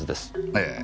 ええ。